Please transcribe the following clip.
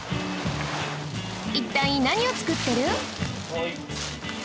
一体何を作ってる？